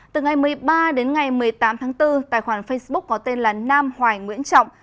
từ ngày một mươi ba đến ngày một mươi tám tháng bốn tài khoản facebook có tên là nam hoài nguyễn trọng